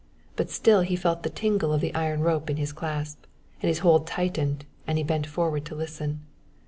But still he felt the tingle of the iron rope in his clasp, and his hold tightened and he bent forward to listen.